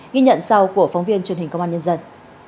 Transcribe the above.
ghi nhận sau của phóng viên truyền hình công an nhân dân